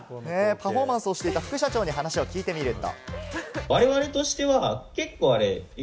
パフォーマンスをしていた副社長に話を聞いてみると。